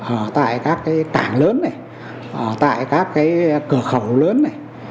ở tại các cảng lớn này ở tại các cửa khẩu lớn này